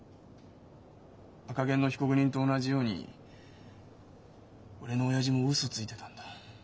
赤ゲンの被告人と同じように俺の親父もウソついてたんだ。